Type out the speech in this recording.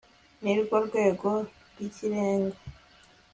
ni rwo rwego rw'ikirenga